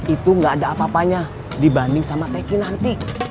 itu gak ada apa apanya dibanding sama tki nanti